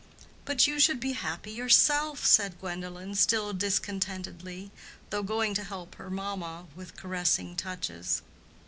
"But you should be happy yourself," said Gwendolen, still discontentedly, though going to help her mamma with caressing touches.